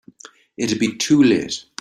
It'd be too late.